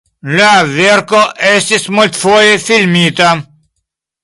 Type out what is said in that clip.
La verko estis multfoje filmita.